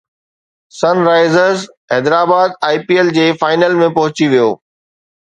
سن Risers Hyderabad I P L جي final ۾ پهچي ويو